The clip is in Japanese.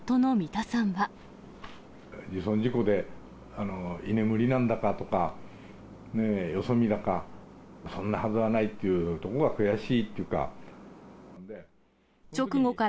自損事故で、居眠りなんだかとか、よそ見だか、そんなはずはないっていうところが悔しいっていうか。